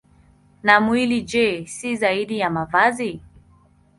Na mwili, je, si zaidi ya mavazi?